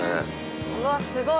うわっすごい！